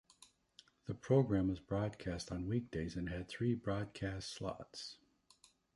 The programme was broadcast on weekdays and had three broadcast slots.